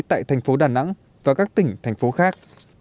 tại thành phố đà nẵng và các tỉnh thành phố khác